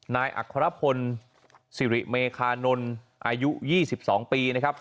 นายอัคภรรพลสิริเมฆานนตร์อายุ๒๒ปีนะครับ